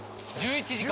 １１時間？